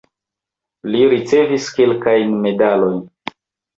Li ricevis kelkajn medalojn.